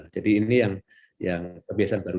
jadi ini yang kebiasaan baru